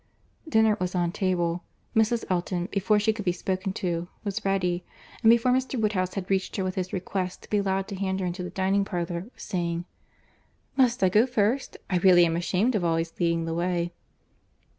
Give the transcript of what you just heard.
Dinner was on table.—Mrs. Elton, before she could be spoken to, was ready; and before Mr. Woodhouse had reached her with his request to be allowed to hand her into the dining parlour, was saying— "Must I go first? I really am ashamed of always leading the way."